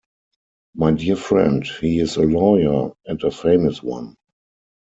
My dear friend, he is a lawyer, and a famous one.